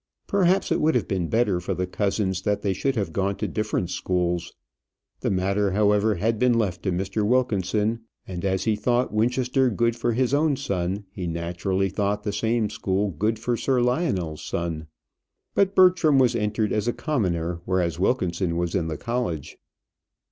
Perhaps it would have been better for the cousins that they should have gone to different schools. The matter, however, had been left to Mr. Wilkinson, and as he thought Winchester good for his own son, he naturally thought the same school good for Sir Lionel's son. But Bertram was entered as a commoner, whereas Wilkinson was in the college.